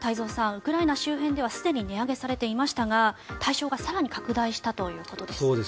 ウクライナ周辺ではすでに値上げされていましたが対象が更に拡大したということです。